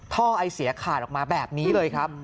ไอเสียขาดออกมาแบบนี้เลยครับ